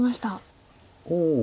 おお。